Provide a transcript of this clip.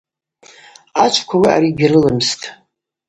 Ачвква ауи аъара йыгьрылымстӏ.